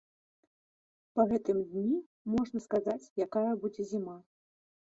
Па гэтым дні можна сказаць, якая будзе зіма.